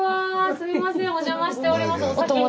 すみませんお邪魔しておりますお先に。